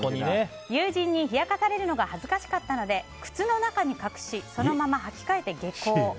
友人に冷やかされるのが恥ずかしかったので靴の中に隠しそのまま履き替えて下校。